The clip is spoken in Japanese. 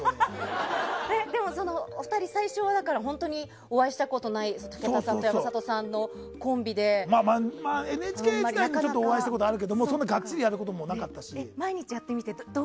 お二人、最初はお会いしたことない武田さんと山里さんのＮＨＫ時代にちょっとお会いしたことあるけどそんなガッツリやることもなかったし。